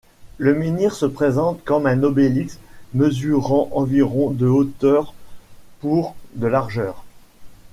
Le menhir se présente comme un obélisque mesurant environ de hauteur pour de largeur.